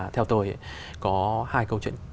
theo tôi có hai câu chuyện